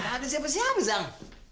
ada siapa siapa jang